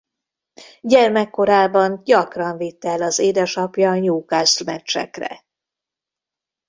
Gyermekkorában gyakran vitte el az édesapja Newcastle-meccsekre.